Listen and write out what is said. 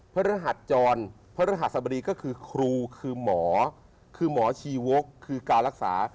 พระรหัสจรพระรหัสบดีก็คือครูคือหมอคือหมอชีวกคือการรักษา